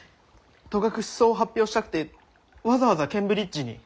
戸隠草を発表したくてわざわざケンブリッジに？